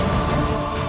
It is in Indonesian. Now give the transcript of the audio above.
ya ini udah berakhir